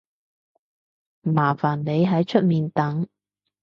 麻煩你喺出面等